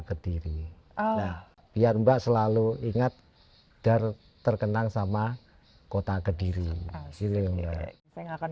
kediri biar mbak selalu ingat dar terkenal sama kota kediri siling ya saya nggak akan